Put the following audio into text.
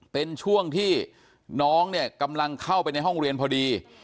เป็นช่วงที่น้องเนี่ยกำลังเข้าไปในห้องเรียนพอดี